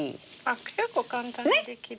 結構簡単にできる。